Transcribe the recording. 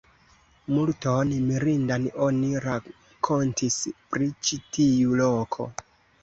Multon mirindan oni rakontis pri ĉi tiu loko.